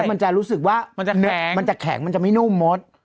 แล้วมันจะรู้สึกว่ามันจะแข็งมันจะแข็งมันจะไม่นุ่มมส